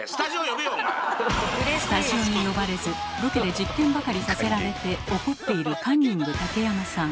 スタジオに呼ばれずロケで実験ばかりさせられて怒っているカンニング竹山さん。